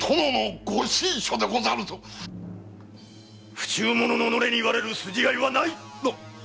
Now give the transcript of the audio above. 不忠者の己に言われる筋合いはない！